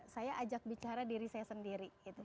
saya ajak bicara diri saya sendiri